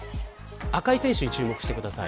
赤い選手に注目してください。